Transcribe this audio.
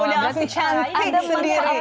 udah langsung cantik sendiri